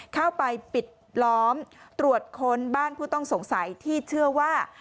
เข้าไปปิดล้อมตรวจค้นบ้านผู้ต้องสงสัยที่เชื่อว่า